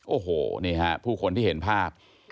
โอ้โหนี่ฮะผู้คนที่เห็นภาพ